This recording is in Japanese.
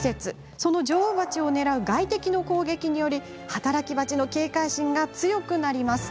その女王蜂をねらう外敵の攻撃により働き蜂の警戒心が強くなります。